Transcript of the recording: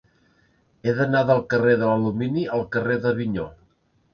He d'anar del carrer de l'Alumini al carrer d'Avinyó.